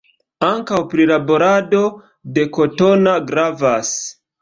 Ankaŭ prilaborado de kotono gravas.